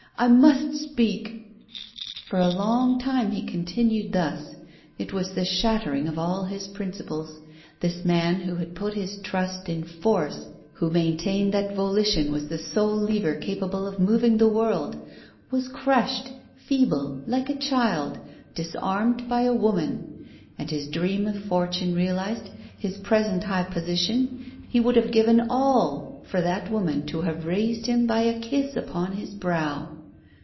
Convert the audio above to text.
I must speak " For a long time he continued thus. It was the shat tering of all his principles. This man, who had put his trust in force, who maintained that volition was the sole lever capable of moving the world, was crushed, feeble like a child, disarmed by a woman. And his dream of fortune realized, his present high position, he would have given all for that woman to have raised him by a kiss upon his brow!